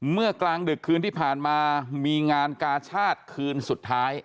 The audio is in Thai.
กลางดึกคืนที่ผ่านมามีงานกาชาติคืนสุดท้าย